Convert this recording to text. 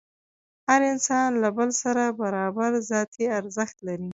هر انسان له بل سره برابر ذاتي ارزښت لري.